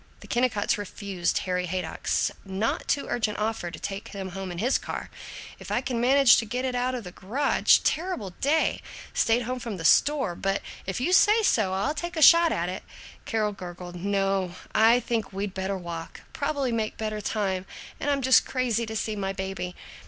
The Kennicotts refused Harry Haydock's not too urgent offer to take them home in his car "if I can manage to get it out of the garage terrible day stayed home from the store but if you say so, I'll take a shot at it." Carol gurgled, "No, I think we'd better walk; probably make better time, and I'm just crazy to see my baby."